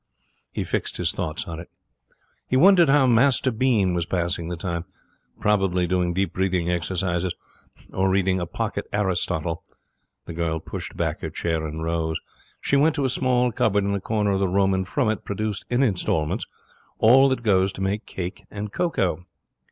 He fixed his thoughts on it. He wondered how Master Bean was passing the time. Probably doing deep breathing exercises, or reading a pocket Aristotle. The girl pushed back her chair and rose. She went to a small cupboard in the corner of the room, and from it produced in instalments all that goes to make cake and cocoa.